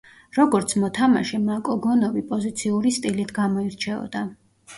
როგორც მოთამაშე, მაკოგონოვი პოზიციური სტილით გამოირჩეოდა.